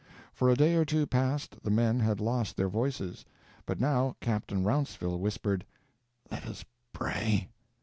For a day or two past the men had lost their voices, but now Captain Rounceville whispered, "Let us pray."